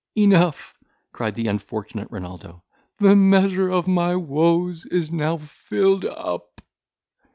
"Enough," cried the unfortunate Renaldo, "the measure of my woes is now filled up."